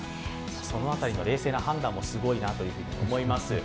その辺りの冷静な判断もすごいなと思います。